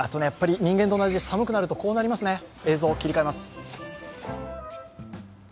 やっぱり人間と同じで寒くなるとこうなりますね。